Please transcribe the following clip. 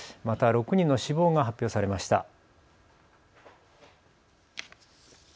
また６人の死亡が発表されました。